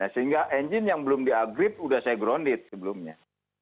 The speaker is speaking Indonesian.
sehingga engine yang belum di upgrade sudah saya grounded sebelumnya